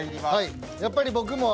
やっぱり僕も。